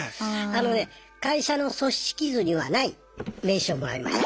あのね会社の組織図にはない名刺をもらいました。